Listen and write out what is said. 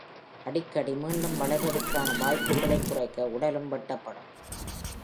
அடிக்கடி, மீண்டும் வளர்வதற்கான வாய்ப்புகளைக் குறைக்க, உடலும் வெட்டப்படும்.